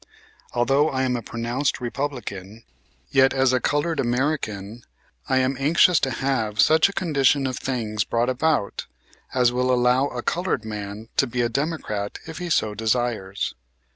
Although I am a pronounced Republican, yet, as a colored American, I am anxious to have such a condition of things brought about as will allow a colored man to be a Democrat if he so desires.